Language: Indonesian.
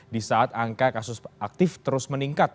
di saat angka kasus aktif terus meningkat